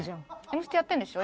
『Ｍステ』やってるんでしょ？